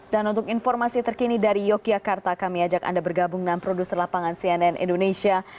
dan untuk informasi terkini dari yogyakarta kami ajak anda bergabung dengan produser lapangan cnn indonesia